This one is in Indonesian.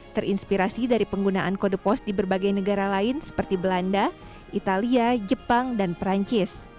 terinspirasi dari penggunaan kode pos di berbagai negara lain seperti belanda italia jepang dan perancis